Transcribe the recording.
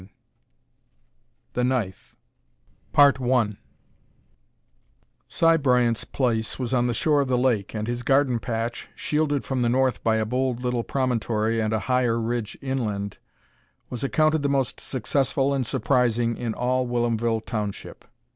VIII THE KNIFE I Si Bryant's place was on the shore of the lake, and his garden patch, shielded from the north by a bold little promontory and a higher ridge inland, was accounted the most successful and surprising in all Whilomville township.